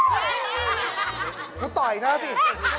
กูต่ออีกหน้าสิ